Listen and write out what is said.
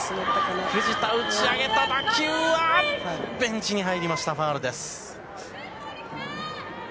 藤田、打ち上げた打球はベンチに入ってファウルです。